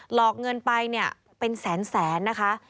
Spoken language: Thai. หลอกเงินไปเป็นแสนนะคะ